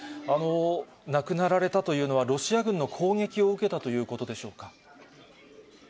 亡くなられたというのは、ロシア軍の攻撃を受けたということでしょうか。